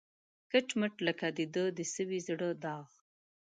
کټ مټ لکه د ده د سوي زړه داغ